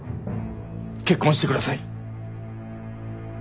結婚してください。